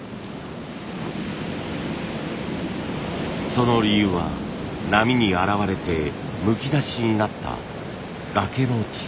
その理由は波に洗われてむき出しになった崖の地層。